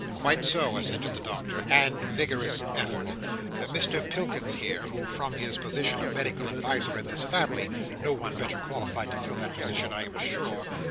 "Quite so," assented the Doctor—"and vigorous effort. Mr Pilkins here, who from his position of medical adviser in this family—no one better qualified to fill that position, I am sure."